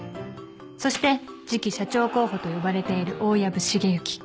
そして次期社長候補と呼ばれている大藪重之。